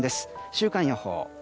週間予報。